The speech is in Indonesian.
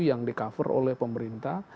yang di cover oleh pemerintah